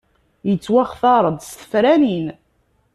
Yettwaxtar-d s tefranin.